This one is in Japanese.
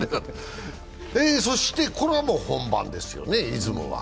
そしてこれは本番ですよね、出雲は。